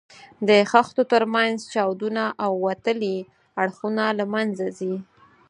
د خښتو تر منځ چاودونه او وتلي اړخونه له منځه ځي.